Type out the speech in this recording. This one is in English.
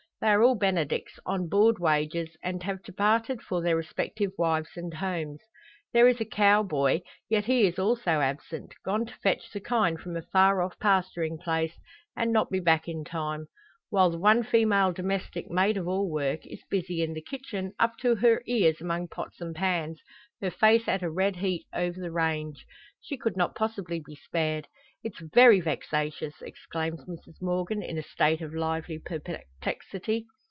They are all Benedicts, on board wages, and have departed for their respective wives and homes. There is a cow boy, yet he is also absent; gone to fetch the kine from a far off pasturing place, and not be back in time; while the one female domestic maid of all work is busy in the kitchen, up to her ears among pots and pans, her face at a red heat over the range. She could not possibly be spared. "It's very vexatious!" exclaims Mrs Morgan, in a state of lively perplexity.